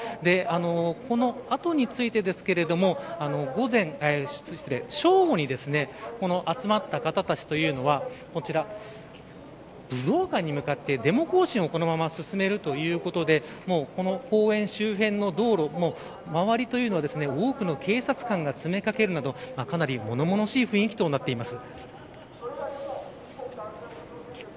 このあとについてですけれども正午にこの集まった方たちというのは武道館に向かってデモ行進を進めるということで公園周辺の道路周りというのは多くの警察官が詰めかけるなどかなり物々しい雰囲気となっています。